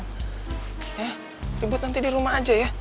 ya ribet nanti di rumah aja ya